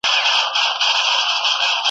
چي ناڅاپه زرکي جګه کړله غاړه .